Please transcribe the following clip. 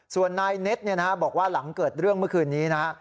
ส่วนนายเน็ตบอกว่าหลังเกิดเรื่องเมื่อคืนนี้นะฮะ